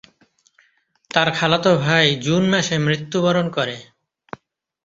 তার খালাতো ভাই জুন মাসে মৃত্যুবরণ করে।